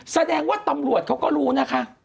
แสดงว่าตำรวจเขาก็รู้นะคะ